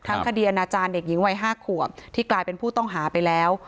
คดีอนาจารย์เด็กหญิงวัย๕ขวบที่กลายเป็นผู้ต้องหาไปแล้ว